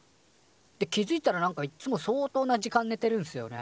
で気づいたらなんかいっつも相当な時間寝てるんすよね。